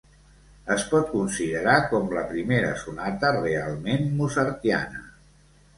Es pot considerar com la primera sonata realment mozartiana.